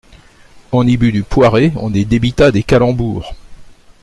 On y but du poiré, on y débita des calembours.